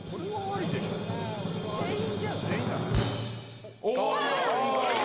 全員じゃない。